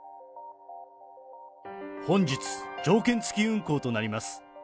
本日、条件付き運航となります。